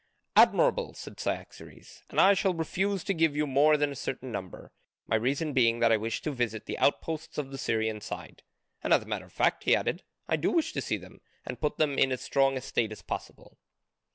"Admirable!" said Cyaxares. "And I shall refuse to give you more than a certain number, my reason being that I wish to visit the outposts on the Syrian side. And as a matter of fact," he added, "I do wish to see them and put them in as strong a state as possible.